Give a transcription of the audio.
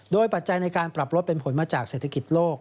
โดยปัจจัยในการปรับลดเป็นผลมาจากเศรษฐกิจโลก